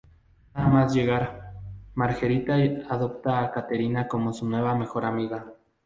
Nada más llegar, Margherita adopta a Caterina como su nueva mejor amiga.